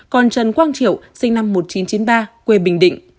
còn trần quang triệu sinh năm một nghìn chín trăm chín mươi ba quê bình định